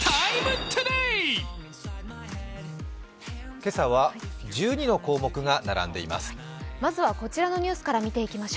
今朝は１２の項目が並んでいます。